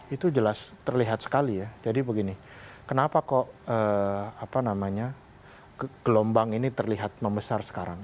itu jelas terlihat sekali ya jadi begini kenapa kok gelombang ini terlihat membesar sekarang